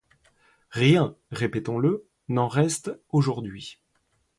Rien, répétons-le, n’en reste aujourd’hui.